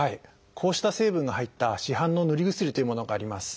こうした成分が入った市販のぬり薬というものがあります。